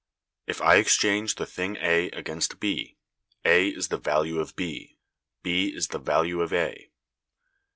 If I exchange the thing A against B, A is the value of B, B is the value of A."